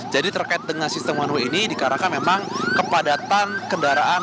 jadi terkait dengan sistem one way ini dikarakan memang kepadatan kendaraan